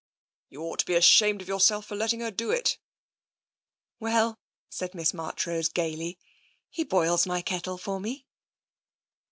" You ought to be ashamed of yourself for letting her do it." " Well," said Miss Marchrose gaily, " he boils my kettle for me."